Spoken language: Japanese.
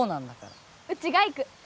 うちが行く。